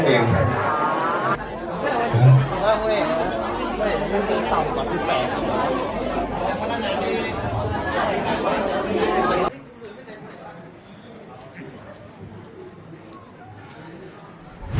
เลยเดี๋ยวต้องตอบพอสิบแปดครับ